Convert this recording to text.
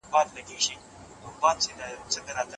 پر بدن دروند بار مه اچوه